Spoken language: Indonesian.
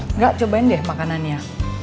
enggak cobain deh makanannya